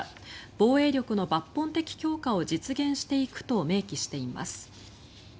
防衛力の抜本的強化を実現していくと明記しています。